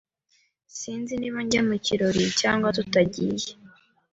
Sinzi niba njya mu kirori cyangwa tutagiye.